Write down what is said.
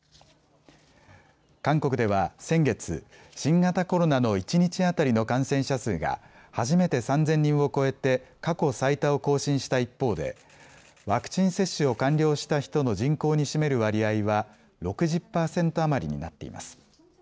韓国では先月、新型コロナの一日当たりの感染者数が初めて３０００人を超えて過去最多を更新した一方でワクチン接種を完了した人の人口に占める割合は６０％余りになっています。